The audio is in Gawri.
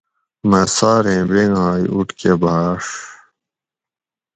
مہ ساریں بینگائ اوٹکہ بھاڛ